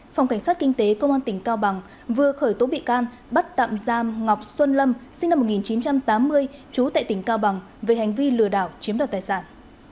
phòng cảnh sát kinh tế công an tỉnh cao bằng vừa khởi tố bị can bắt tạm giam ngọc xuân lâm sinh năm một nghìn chín trăm tám mươi trú tại tỉnh cao bằng về hành vi lừa đảo chiếm đoạt tài sản